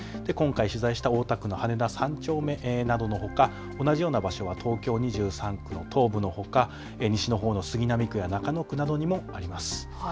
今回取材した大田区羽田３丁目などのほか同じような場所は東京２３区、東部のほか西のほうの杉並区や中野区などにもあります。